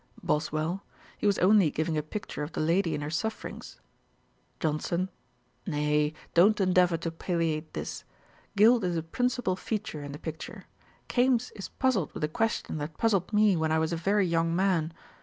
BOSWELL. 'He was only giving a picture of the lady in her sufferings.' JOHNSON. 'Nay, don't endeavour to palliate this. Guilt is a principal feature in the picture. Kames is puzzled with a question that puzzled me when I was a very young man.